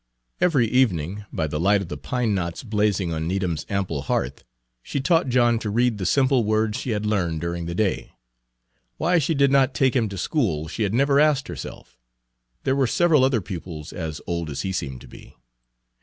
Every evening, by the light of the pine knots blazing on Needham's ample hearth, she taught John to read the simple words she had learned during the day. Why she did not take him to school she had never asked herself; there were several other pupils as old as he seemed to be.